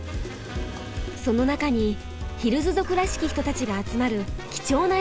その中にヒルズ族らしき人たちが集まる貴重な映像がありました。